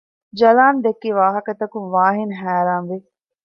ޖަލާން ދެއްކި ވާހަކަ ތަކުން ވާހިން ހައިރާން ވި